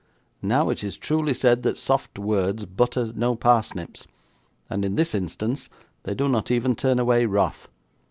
Now, it is truly said that soft words butter no parsnips, and, in this instance, they do not even turn away wrath.